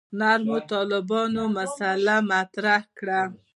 نرمو طالبانو مسأله مطرح کړه.